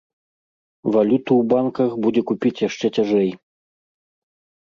Валюту ў банках будзе купіць яшчэ цяжэй.